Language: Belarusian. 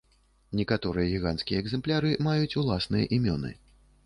Некаторыя гіганцкія экзэмпляры маюць уласныя імёны.